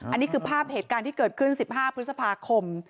อันนี้คือภาพเหตุการณ์ที่เกิดขึ้น๑๕พฤษภาคม